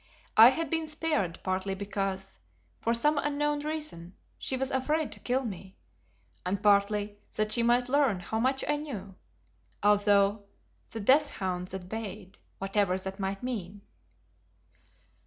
I had been spared partly because, for some unknown reason, she was afraid to kill me, and partly that she might learn how much I knew, although the "death hounds had bayed," whatever that might mean.